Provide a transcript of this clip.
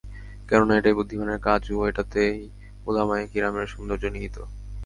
কেননা, এটাই বুদ্ধিমানের কাজ ও এটাতেই উলামায়ে কিরামের সৌন্দর্য নিহিত।